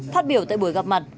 phát biểu tại buổi gặp mặt